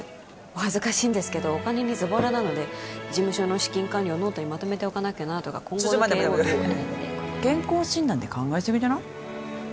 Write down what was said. お恥ずかしいんですけどお金にズボラなので事務所の資金管理をノートにまとめておかなきゃなとかちょっ待って待って健康診断で考えすぎじゃない？